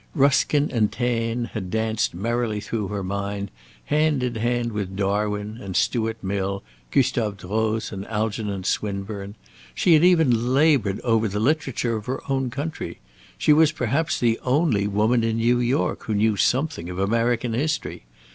Ruskin and Taine had danced merrily through her mind, hand in hand with Darwin and Stuart Mill, Gustave Droz and Algernon Swinburne. She had even laboured over the literature of her own country. She was perhaps, the only woman in New York who knew something of American history.